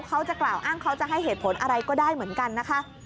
เขาจะกล่าวอ้างเขาจะให้เหตุผลอะไรก็ได้เหมือนกันนะคะ